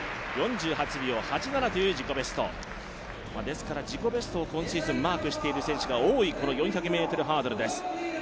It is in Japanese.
４８秒８７という自己ベスト、自己ベストを今シーズンマークしている選手が多いこの４００ｍハードルです。